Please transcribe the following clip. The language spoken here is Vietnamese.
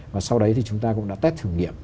và sau đấy thì chúng ta cũng đã test thử nghiệm